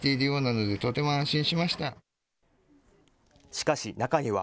しかし中には。